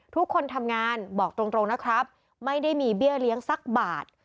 ทุกคนทำงานบอกตรงนะครับไม่ได้มีเบี้ยเลี้ยงสักบาท